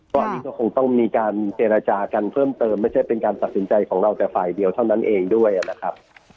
ก็อันนี้ก็คงต้องมีการเจรจากันเพิ่มเติมไม่ใช่เป็นการตัดสินใจของเราแต่ฝ่ายเดียวเท่านั้นเองด้วยนะครับ